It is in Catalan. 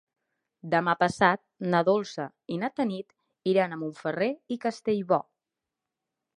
Demà passat na Dolça i na Tanit iran a Montferrer i Castellbò.